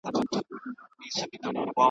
د ویر او ماتم په دې سختو شېبو کي هم .